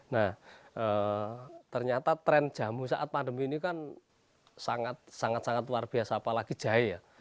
nah ternyata tren jamu saat pandemi ini kan sangat sangat luar biasa apalagi jahe ya